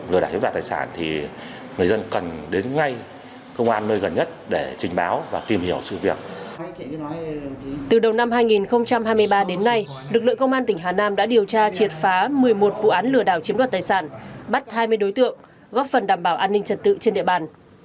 lực lượng công an tỉnh hà nam đã điều tra triệt phá một mươi một vụ án lừa đảo chiếm đoạt tài sản bắt hai mươi đối tượng góp phần đảm bảo an ninh trật tự trên địa bàn